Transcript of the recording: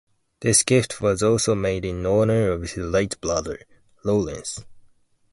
This gift was also made in honor of his late brother, Lawrence.